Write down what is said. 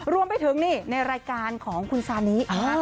รวมไปถึงในรายการของคุณซานิค่ะ